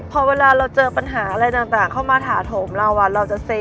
พอเวลาเราเจอปัญหาอะไรต่างเข้ามาถาโถมเราเราจะเซ